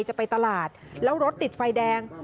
จะไปตลาดแล้วรถติดไฟแดง